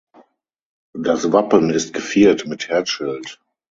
Das Wappen ist geviert mit Herzschild.